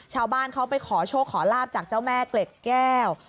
ชาวบ้านเขาไปขอโชคขอลาบจากเจ้าแม่เกล็ดแก้ว